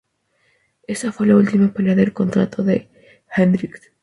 Esa fue la última pelea del contrato de Hendricks.